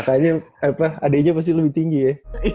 kakaknya apa adeknya pasti lebih tinggi ya